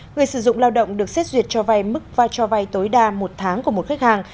người sử dụng lao động được xét duyệt cho vay mức và cho vay tối đa một tháng của một khách hàng